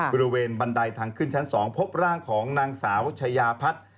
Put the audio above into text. บริเวณบันไดทางขึ้นชั้น๒พบร่างของนางสาวชายาพัฒน์